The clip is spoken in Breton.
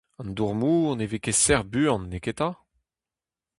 An dour-mor ne vez ket sec'h buan, n'eo ket 'ta ?